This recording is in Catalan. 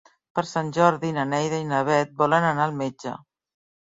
Per Sant Jordi na Neida i na Bet volen anar al metge.